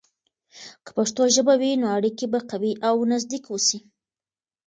که پښتو ژبه وي، نو اړیکې به قوي او نزدیک اوسي.